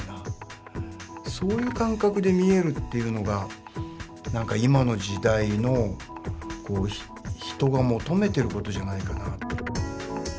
そういう感覚で見えるというのが何か今の時代の人が求めてることじゃないかな。